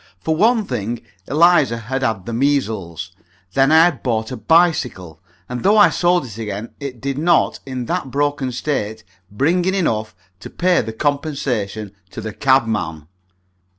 For one thing, Eliza had had the measles. Then I had bought a bicycle, and though I sold it again, it did not, in that broken state, bring in enough to pay the compensation to the cabman.